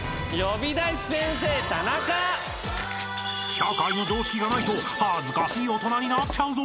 ［社会の常識がないと恥ずかしい大人になっちゃうぞ］